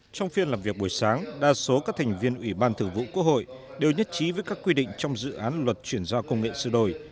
trong phiên làm việc buổi sáng đa số các thành viên ủy ban thường vụ quốc hội đều nhất trí với các quy định trong dự án luật chuyển giao công nghệ sửa đổi